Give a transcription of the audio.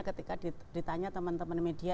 ketika ditanya teman teman media